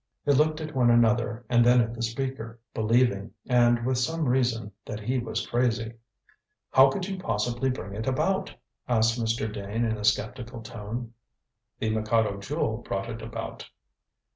They looked at one another and then at the speaker, believing, and with some reason, that he was crazy. "How could you possibly bring it about?" asked Mr. Dane in a sceptical tone. "The Mikado Jewel brought it about."